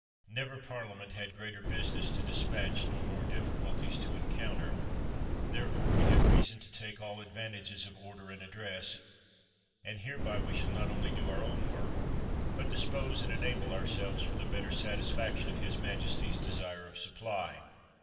Never Parliament had greater business to dis patch, nor more difficulties to encounter; there fore we have reason to take all advantages of order and address, and hereby we shall not only do our own work, but dispose and enable our selves for the better satisfaction of his majesty's desire of supply.